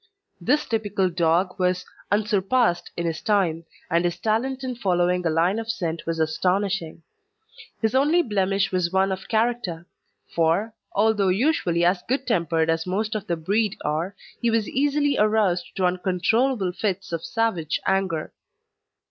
This typical dog was unsurpassed in his time, and his talent in following a line of scent was astonishing. His only blemish was one of character; for, although usually as good tempered as most of the breed are, he was easily aroused to uncontrollable fits of savage anger.